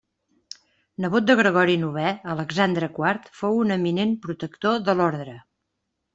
Nebot de Gregori novè, Alexandre quart fou un eminent protector de l'orde.